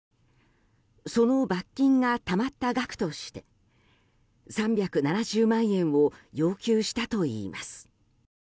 その罰金がたまった額として３７０万円を要求したといいます。